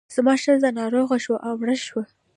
زما ښځه ناروغه شوه او مړه شوه.